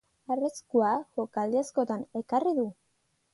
Arriskua jokaldi askotan ekarri du.